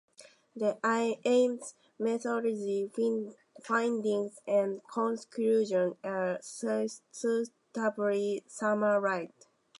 The aims, methodology, findings and conclusion are suitably summarised.